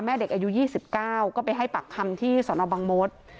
เด็กอายุ๒๙ก็ไปให้ปากคำที่สนบังมศ